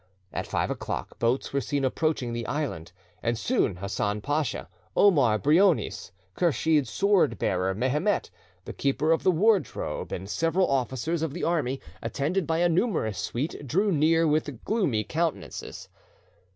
At five o'clock boats were seen approaching the island, and soon Hassan Pacha, Omar Brionis, Kursheed's sword bearer, Mehemet, the keeper of the wardrobe, and several officers of the army, attended by a numerous suite, drew near with gloomy countenances.